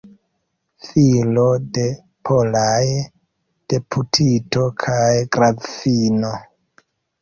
Filo de polaj deputito kaj grafino.